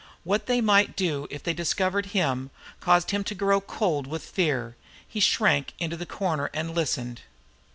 What they might do if they discovered him, caused him to grow cold with fear. He shrank into the corner and listened.